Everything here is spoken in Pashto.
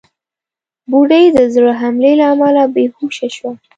بوډۍ د زړه حملې له امله بېهوشه شوه.